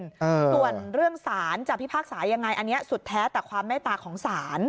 ส่วนเรื่องสารจับที่ภาคสารอย่างไรอันนี้สุดแท้แต่ความแม่ตาของสาร